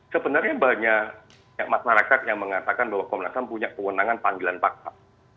sebenarnya banyak masyarakat yang mengatakan bahwa komnas ham punya kewenangan panggilan paksa